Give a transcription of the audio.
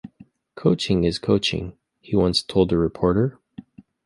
"Coaching is coaching", he once told a reporter.